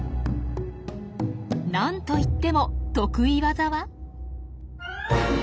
なんといっても得意技は。